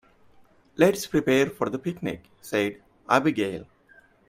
"Let's prepare for the picnic!", said Abigail.